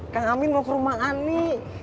kang amin mau ke rumah ani